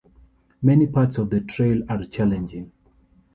Many parts of the trail are challenging.